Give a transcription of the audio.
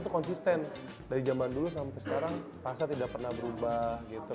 itu konsisten dari zaman dulu sampai sekarang rasa tidak pernah berubah gitu